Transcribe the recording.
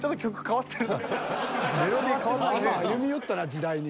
歩み寄ったな時代に。